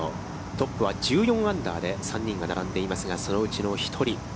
トップは１４アンダーで３人が並んでいますが、そのうちの１人。